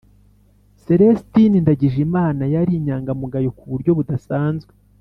selesitini ndagijimana yari inyangamugayo ku buryo budasanzwe.